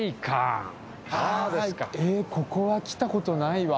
ここは来たことないわ。